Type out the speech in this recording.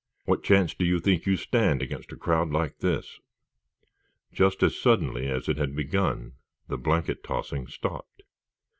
"What chance do you think you stand against a crowd like this?" Just as suddenly as it had begun the blanket tossing stopped.